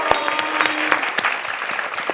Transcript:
พร้อมเลยค่ะ